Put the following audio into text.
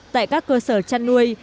tại các cơ sở chăn nuôi